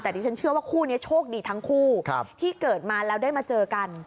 แต่ดิฉันเชื่อว่าคู่นี้โชคดีทั้งคู่ที่เกิดมาแล้วได้มาเจอกัน